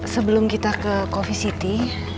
sebelum kita ke coffee city